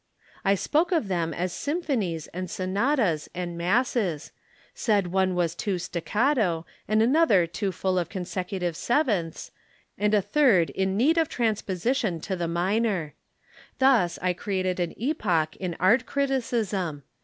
I spoke of them as symphonies and sonatas and masses, said one was too staccato and another too full of consecutive sevenths, and a third in need of transposition to the minor. Thus I created an epoch in art criticism.